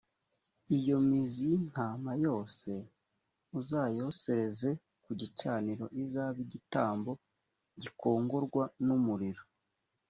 iyo mizi y’intama yose uzayosereze ku gicaniro izabe igitambo gikongorwa n’umuriro